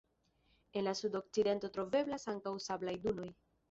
En la sudokcidento troveblas ankaŭ sablaj dunoj.